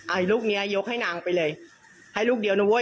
ลูกเนี้ยยกให้นางไปเลยให้ลูกเดียวนะเว้